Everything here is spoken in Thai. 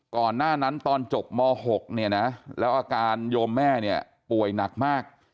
ก่อนหน้านั้นตอนจบม๖เนี่ยนะแล้วอาการโยมแม่เนี่ยป่วยหนักมาก